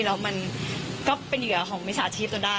แล้วมันก็เป็นเหยื่อของมิจฉาชีพเราได้